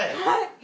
はい。